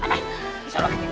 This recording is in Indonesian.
karena kita tidak bunuh mereka